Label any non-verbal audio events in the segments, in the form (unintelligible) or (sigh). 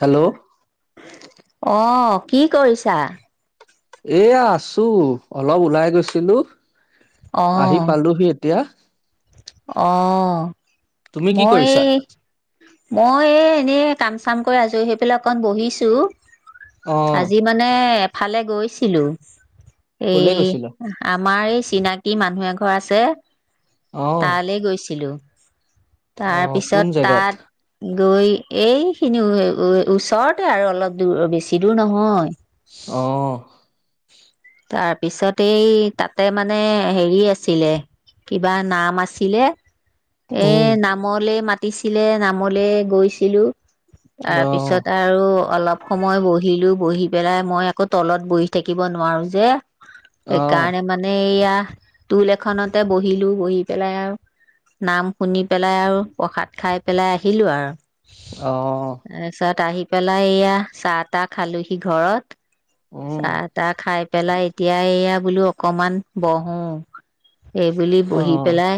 Hello অ', কি কৰিছা? এইয়া আছোঁ, অলপ ওলাই গৈছিলোঁ। আহি অ', পালোহি এতিয়া। অ। তুমি কি মই কৰিছা এই, মই এই এনে কাম চাম কৰি আজৰি হৈ পেলাই অকণ বহিছোঁ। অ আজি মানে এফালে গৈছিলোঁ। এ, কলে গৈছিলা (unintelligible) আমাৰ এই চিনাকি মানুহ এঘৰ আছে। অ তালে গৈছিলোঁ। অ কোন তাৰপিছত জেগাত তাত গৈ এইসিনি ওচৰতে আৰু অলপ দূৰ বেচি দূৰ নহয়। অ। তাৰ পিছত এই তাতে মানে হেৰি আছিলে, কিবা নাম আছিলে। এই উম নামলে মাত দিচিলে নামলৈ গৈছিলো। অ তাৰপিছত আৰু অলপ সময় বহিলোঁ, বহি পেলাই মই আকৌ তলত বহি থাকিব নোৱাৰো যে। অ সেইকাৰণে মানে এইয়া। টুল এখনতে বহিলোঁ, বহি পেলাই আৰু নাম শুনি পেলাই আৰু, প্ৰসাদ খাই পেলাই আহিলোঁ, আৰু অ (unintelligible) আহি পেলাই এইয়া চাহ, তাহ খালোঁহি ঘৰত। উম চাহ, তাহ খাই পাই এতিয়া এই এতিয়া বোলো, অকণমান বহোঁ। এইবুলি অ বহি পেলাই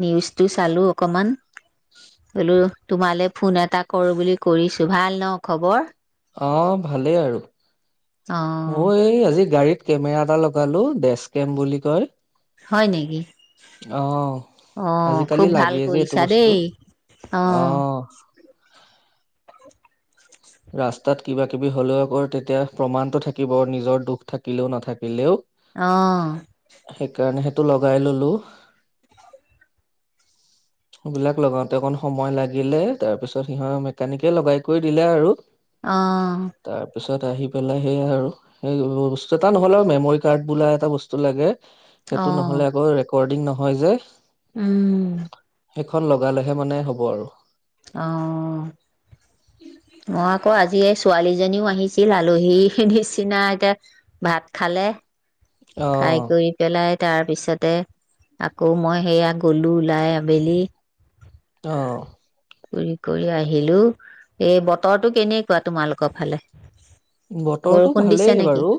নিউজটো চালোঁ অকণমান। বোলো, তোমালৈ ফোন এটা কৰোঁ বুলি কৰিছোঁ। ভাল ন, খবৰ? অ', ভালেই আৰু। অ', এই আজি গাড়ী কেমেৰা এটা লগালো। 'ডেছকেম' বুলি কয়। হয় নেকি? অ', অ আজিকালি খুব ভাল লাগেই যে, এইটো কৰিছা বস্তু। দেই অ ৰাস্তাত কিবা কিবি হ'লেও, আকৌ তেতিয়া প্ৰমাণটো থাকিব, নিজৰ দোষ থাকিলেও, নাথাকিলেও। অ'। টো লগাই ল'লো। সেইবিলাক লগাওঁতে অকণ সময় লাগিলে, তাৰপিছত মেকাৰ্নিকে লগাই কৰি দিলে আৰু অ'। পিছত আহি পেলাই, সেইয়া আৰু, (unintelligible) এটা নহ'লেও, মেমৰী-কাৰ্ড বোলা এটা বস্তু লাগে। অ সেইটো নহ'লে, আকৌ ৰেক ৰেকৰ্ডিঙ নহয় যে উম। সেইখন লগালেহে, মানে, হ'ব আৰু অ', (unintelligible) আকৌ আজি এই ছোৱালীজনীও আহিছিল, আলহী নিচিনা, এতিয়া ভাত খালে। খাই অ', কৰি পেলাই তাৰ পিছতে, আকৌ মই সেইয়া গ'লোঁ, ওলাই আবেলি। অ ঘূৰি কৰি আহিলোঁ, এই বতৰটো কেনেকুৱা তোমালোকৰ ফালে? বতৰটো বৰষুণ দিছে ভালেই নেকি বাৰু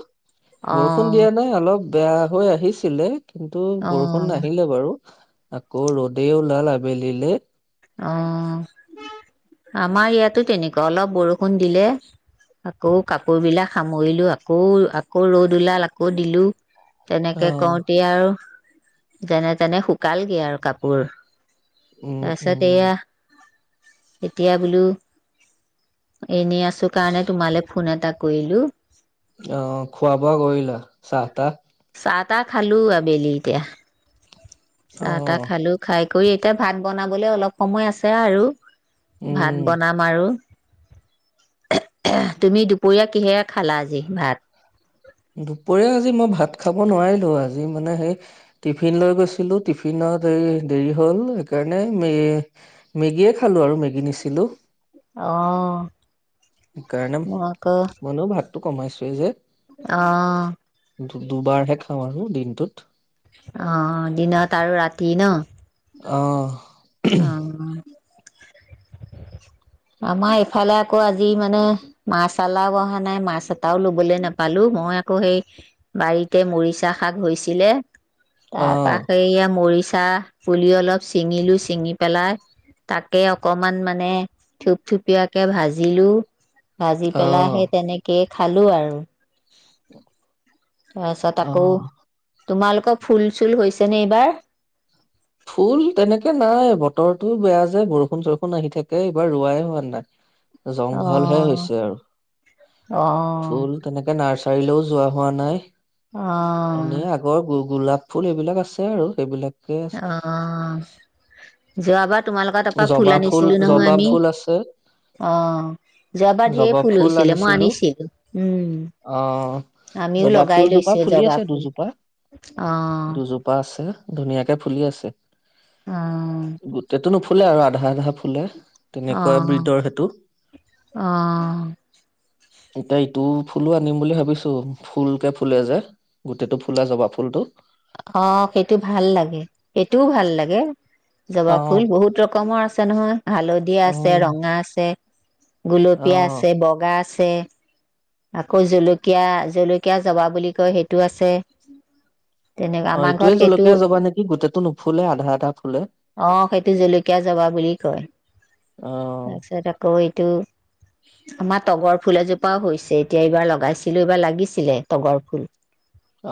অ বৰষুণ দিয়া নাই অলপ বেয়া হৈ আহিছিলে। কিন্তু অ বৰষুণ নাহিলে বাৰু। আকৌ ৰ'দে ওলাল আবেলিলে। অ', আমাৰ ইয়াতো তেনেকুৱা। অলপ বৰষুণ দিলে, আকৌ কাপোৰবিলাক সামৰিলোঁ। আকৌ, আকৌ ৰ'দ ওলাল, আকৌ দিলোঁ। তেনেকে অ', কৰোঁতে, আৰু যেনে-তেনে শুকালগে আৰু কাপোৰ। হুম তাৰপিছত এয়া এতিয়া বোলো এনে আছো‌ কাৰণে তোমাৰে ফোন এটা কৰিলো অ খোৱা বোৱা কৰিলা চাহ তাহ চাহ তাহ খালো আবেলি এতিয়া চাহ তাহ অ', খালোঁ খাই কৰি এতিয়া ভাত বনাবলৈ অলপ সময় আছে আৰু ভাত উম, বনাম আৰু অহ অহ তুমি দুপৰীয়া কিহেৰে খালা আজি ভাত দুপৰীয়া আজি মই ভাত খাব নোৱাৰিলো আজি মানে হেই টিফিনলৈ গৈছিলো টিফিনত এই দেৰি হল হেকাৰণে মে মেগীয়ে খালো আৰু মেগী নিছিলো অ সেই কাৰণে মই আকৌ মইনো ভাত কমাইছোৱে যে অ দুবাৰ হে খাও আৰু দিন সেটোত অ দিনত আৰু ৰাতি ন অ অঅঅ আমাৰ এইফালে আকৌ আজি মানে মাছৱালাও আহা নাই মাছ এটাও ল'বলে নাপালো‌ মই আকৌ হেই বাৰীতে মৰিছা শাক হৈছিলে তাৰপা অ', সেইয়া মৰিছ ছা পুলি অলপ চিঙি লৈ চি চিঙি পেলাই তাকে অকমান মানে থূপ থুপিয়াকে ভাজিলো ভাজি পেলাই অ', সেই তেনেকে খালো আৰু তাৰ পাছত আকৌ অ', তোমালোক ফুল চুল হৈছেনে এইবাৰ ফুল তেনেকে নাই বতৰটো বেয়াযে বৰষুণ চৰষুণ আহি থাকে এইবাৰ ৰোৱাই হোৱা নাই জংঘলহে অ', হৈছে আৰু অ', ফুল তেনেকে নাৰ্চ কাইলৈও যোৱা হোৱা নাই অ এনেই আগৰ গো গোলাপ ফুল এইবিলাক আছে আৰু সেইবিলাক অ যোৱাবাৰ তোমালোক তাৰপৰা ফুল জবা আনিছিলোঁ নহয় জবা আমি ফুল আছে অ যোৱাবাৰ ঢেৰ জবা ফুল ৰুইছিল মই আনিছিলো আনিছিলোঁ অ ওম আমিও জবা লগাই ফুলজোপা লৈছো ফুলি আছে জবাব ফুল দুজোপা অ দুজোপা আছে ধুনীয়াকে ফুলি আছে অ উম গোটেটো নুফুলে আৰু আধ লাহে লাহে ফুলে তেনেকুৱা অ! ব্ৰীডৰ সেইটো অ! এতিয়া ইটো ফুলো আনিম বুলি ভাবিছোঁ। ফুলকে ফুলে যে, গোটে টো ফুলা জবাব ফুল টো। অ! সেইটো ভাল লাগে। এইটোও ভাল লাগে। অ জবাব ফুল বহুত ৰকমৰ আছে নহয়। হালধীয়া আছে, উম ৰঙা আছে। অ গুলপীয়া আসে, বগা আ (inaudible) আকৌ জলকীয়া, জলকীয়া জবাব বুলি কয় সেইটো আছে। তেনেকুৱা, অ আমাৰ এইটোয়ে ঘৰত সেইটো জলকীয়া জবা নেকি গোটেইটো নুফুলে আধা আধা ফুলে অ সেইটো জলকীয়া জবাব বুলি কয়। অ আমাৰ ঘৰত সেইটো আছে। আমাৰ তগৰ ফুল এজোপাও হৈছে। এইকেইবাৰ লগাইছিলো, লাগিছিলে তগৰ ফুল।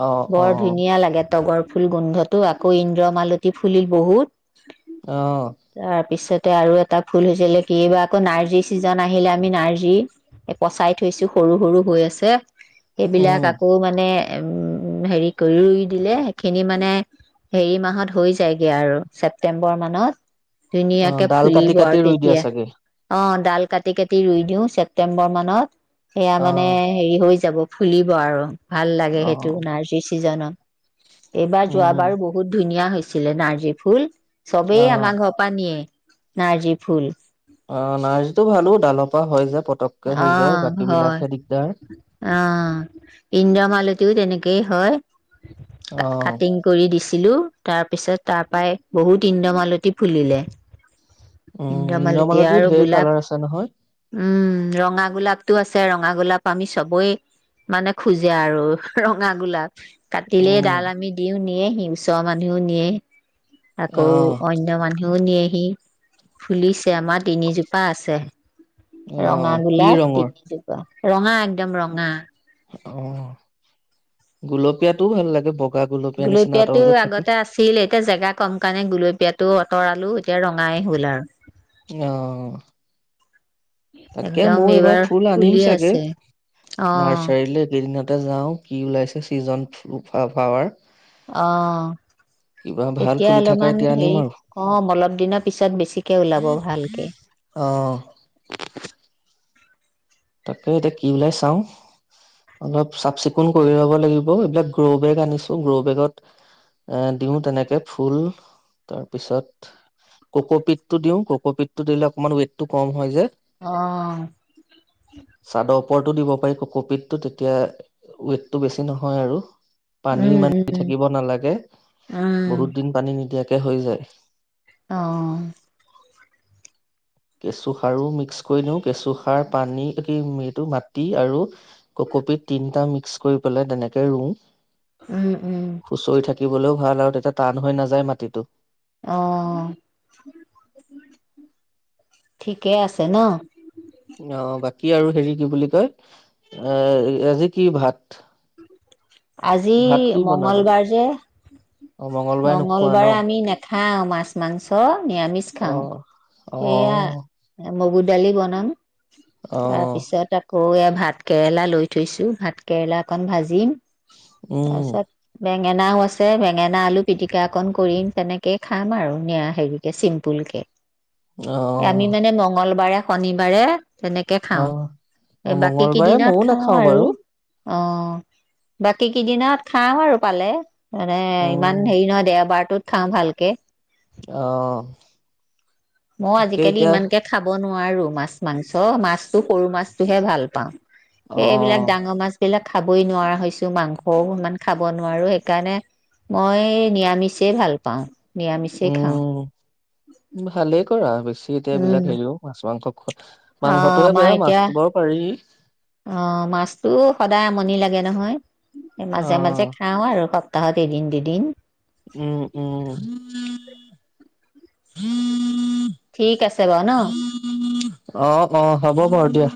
অ অ বৰ ধুনিয়া লাগে। তগৰ ফুল গোন্ধ টো, আকৌ ইন্দ্ৰমালতী ফুলিল বহুত। অ তাৰপিছত আৰু এটা ফুলিছিল, কিবা! আকৌ, নাৰ্জী ছিজন আহিলে নাৰ্জী পচাই থৈছোঁ। সৰু, সৰু হৈ আছে। সেইবিলাক উম আকৌ মানে এম্! হেৰি কৰি দিলে, সেইখিনি মানে হেৰি মাহত হৈ যায় গৈ আৰু, ছেপ্টেম্বৰ মানত। অ ধুনীয়া কে ডাল ফুলিব কাটি কাটি আৰু ৰুই দিয়া তেতিয়া। চাগে অ! ! ডাল কাটি, কাটি ৰুই দিও ছেপ্টেম্বৰ মানত। সেয়া অ মানে হেৰি হৈ যাব। ফুলিব আৰু, ভাল লাগে অ সেইটো। নাৰ্জী কি জানা? এবাৰ উম যোৱাবাৰো বহুত ধুনীয়া হৈছে। ফুলিছিলে নাৰ্জী ফুল। অ চবেই আমাৰ ঘৰৰ পৰা নিয়ে। নাৰ্জী ফুল। অ'! নাৰ্জী টো ভালো ডালৰপৰা হয় যে। অ! হয়। অ! ইন্দ্ৰমালতিও তেনেকেই হয়। অ কাটিং কৰি দিছো। দিলোঁ, তাৰপিছত তাৰপাই বহুত ইন্দ্ৰমালতী ফুলিলে। অ! ইন্দ্ৰমালতী ইন্দ্ৰমালতীও আৰু ধেই গোলাপ কালাৰ আছে নহয়। উম ৰঙা গোলাপ টো আছে। ৰঙা গোলাপ আমি চবেই, মানে খোজে আৰু, ৰঙা গোলাপ। কাটিলেই উম ডাল আমি দিও, নিয়ে। হিংস মানুহেও নিয়ে আকৌ আহ অন্য মানুহেও নিয়ে হিৰ ফুলিছে আমাৰ তিনিজোপা আছে। ৰঙা আহ কি গোলাপ ৰঙৰ তিনিজোপা। ৰঙা একদম ৰঙা অ গুলপীয়াটো ভাল লাগে বগ গুলপীয়াটো আগতে আছিল এতিয়া জেগা কম কাৰণে গুলপীয়াটো আতৰালো এতিয়া ৰঙায় হল আৰ। অ' তাকে একদম মইয়ো এইবাৰ ফুল ফুলি আনিম চাগে আছে অ নাৰ্চাৰিলে এইকেইদিনত। তে যাও কি ওলাইছে চিজন ফ্লাৱাৰ কিবা অ' ভাল এতিয়া ফুলি থকা অলপমান এতিয়া আনিম হেৰি আৰু অ অলপদিনৰ পিছত বেছিকে ওলাব ভালকে। অ (inaudible) তাকে এতিয়া কি ওলায় চাও অলপ চাফ চিকুণ কৰি ল'ব লাগিব এইবিলাক গ্ৰবেগ আনিছো গ্ৰবেগত আ দিও তেনেকে ফুল তাৰ পিছত ককোপিতটো দিও ককোপিতটো দিলে অকমান ৱেটটো কম হয় যে অ' চাদৰ উপৰতেও দিব পাৰি ককোপিতটো তেতিয়া ৱেটটো বেছি নহয় আৰু। পানীও উম ইমান দি উম, থাকিব নালাগে বহুত দিন পানী নিদিয়াকে তে হৈ যায়। অ কেচু সাৰো মিক্স কৰি দিও কেচু সাৰ, পানী কি এইটো মাটি আৰু ককোপিত তিনিটা মিক্স কৰি পেলে তেনেকে ৰুও উম, উম। দিবলৈও ভাল আৰু তেতিয়া টান হৈ নাযায় মাটিটো। অ' ঠিকেই আছে ন। কি আৰু হেৰি কি বুলি কয় আজি কি ভাত, আজি ভাত কি বনাবা মংগলবাৰ যে অ নোখোৱা ন মংগলবাৰে আমি নাখাও মাছ মাংস নিৰামিষ অ খাও। অ দালি বনাম। অ তাৰপিছত আকৌ। সৌৱে ভাত কেৰেলা লৈ থৈছো ভাত কেৰেলা অকন ভাজিম। উম তাৰপিছত বেঙে বেগেনাও আছে বেগেনা আলু পিতিকা অকন কৰিম তেনেকেয়ে খাম আৰু নিৰাহিগিকে চিম্পুলকে অ এ আমি মানে মংগলবাৰে। শনিবাৰে, তেনেকে অ খাওঁ। অ এই বাকি মংগলবাৰে কেইদিনত ময়ো খাওঁ নাখাও আৰু বাৰু অ' বাকি কেইদিনত খাওঁ আৰু পালে। আৰে ইমান উম হেৰি নহয় দেওবাৰটোত। খা ভালকে। অ'। মই আজি তাকে কালি এতিয়া ইমানকে খাব নোৱাৰোঁ। নোৱাৰোঁ মাছ মাংস, মাছ টো সৰু মাছটো হে ভাল পাও। অ সেইবিলাক ডাঙৰ মাছ ইবিলাক খাবই নোৱাৰা হৈছো, মাংসও ইমান খাব নোৱাৰো এইকাৰণে মই নিৰামিষকেই ভাল পাও। নিৰামিষ এ খাওঁ। ভালে (inaudible) উম (unintelligible) অ', মই এতিয়া পাৰি অ', মাছটো সদাই আমনি লাগে। বেয়া নহয়। অ মাজে মাজে খাওঁ আৰু। (unintelligible) উম, উম। (inaudible) ঠিক আছে বাৰু ন অ', অ', হ'ব বাৰু এতিয়া।